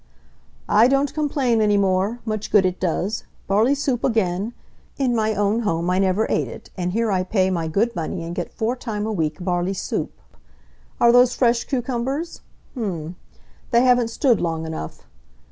"I don't complain any more. Much good it does. Barley soup again? In my own home I never ate it, and here I pay my good money and get four time a week barley soup. Are those fresh cucumbers? M m m m. They haven't stood long enough.